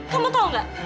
kamu tau gak